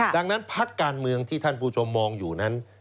ดังนั้นพักการเมืองที่ท่านผู้ชมมองอยู่นั้น